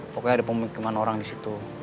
pokoknya ada pemikiran orang disitu